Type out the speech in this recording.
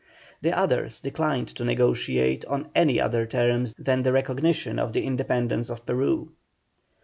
The others declined to negotiate on any other basis than the recognition of the independence of Peru.